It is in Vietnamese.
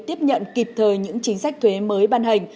tiếp nhận kịp thời những chính sách thuế mới ban hành